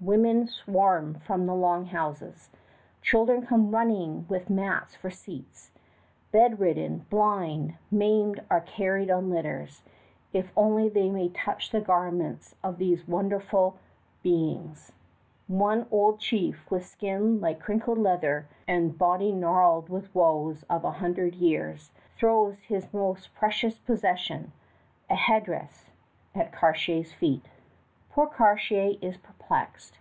Women swarm from the long houses. Children come running with mats for seats. Bedridden, blind, maimed are carried on litters, if only they may touch the garments of these wonderful beings. One old chief with skin like crinkled leather and body gnarled with woes of a hundred years throws his most precious possession, a headdress, at Cartier's feet. Poor Cartier is perplexed.